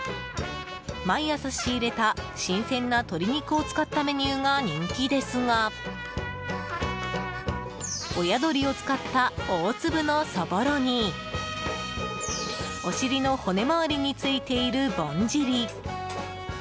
毎朝仕入れた新鮮な鶏肉を使ったメニューが人気ですが親鶏を使った大粒のそぼろにお尻の骨周りについているぼんじり。